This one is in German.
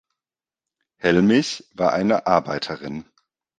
Helmich, war eine Arbeiterin.